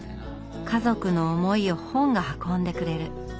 家族の思いを本が運んでくれる。